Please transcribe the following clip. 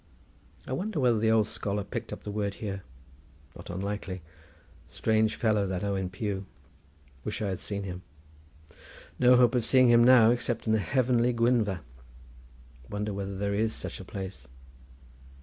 I wonder whether the old scholar picked up the word here. Not unlikely. Strange fellow that Owen Pugh. Wish I had seen him. No hope of seeing him now, except in the heavenly Gwynfa. Wonder whether there is such a place.